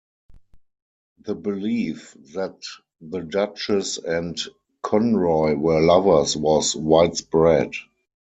The belief that the Duchess and Conroy were lovers was widespread.